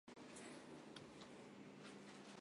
符坚角壳灰介为半花介科角壳灰介属下的一个种。